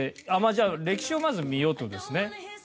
じゃあ歴史をまず見ようという事ですね。